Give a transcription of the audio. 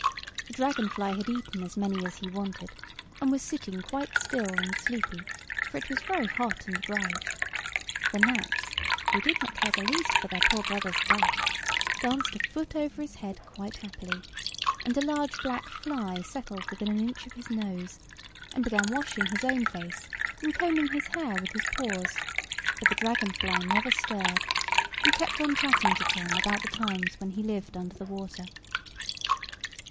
The dragon fly had eaten as many as he wanted, and was sitting quite still and sleepy, for it was very hot and bright. The gnats (who did not care the least for their poor brothers' death) danced a foot over his head quite happily, and a large black fly settled within an inch of his nose, and began washing his own face and combing his hair with his paws: but the dragon fly never stirred, and kept on chatting to Tom about the times when he lived under the water.